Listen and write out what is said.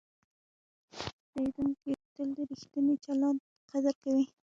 پیرودونکی تل د ریښتیني چلند قدر کوي.